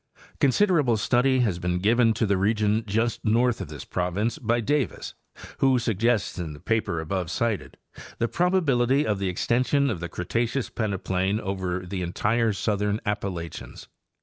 Considerable study has been given to the region just north of this province by Davis, who suggests in the paper above cited* the probability of the extension of the Cretaceous peneplain over the entire southern Appalachians.